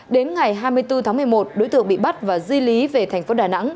đến ngày hai mươi bốn tháng một mươi một đối tượng bị bắt và di lý về thành phố đà nẵng